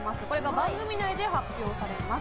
番組内で発表されます。